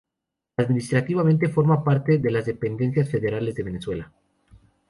Administrativamente, forma parte de las Dependencias Federales de Venezuela.